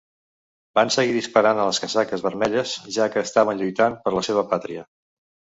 Van seguir disparant a les casaques vermelles, ja què estaven lluitant per la seva pàtria.